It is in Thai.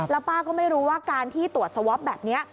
แล้วป้าก็ไม่รู้ว่าการที่ตรวจสวอปแบบนี้